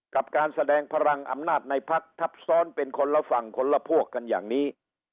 กับการแสดงพลังอำนาจในพักทับซ้อนเป็นคนละฝั่งคนละพวกกันอย่างนี้